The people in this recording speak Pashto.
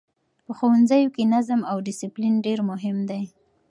په ښوونځیو کې نظم او ډسپلین ډېر مهم دی.